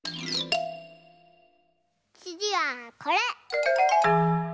つぎはこれ！